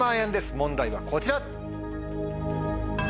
問題はこちら。